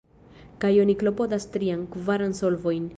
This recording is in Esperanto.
Kaj oni klopodas trian, kvaran solvojn.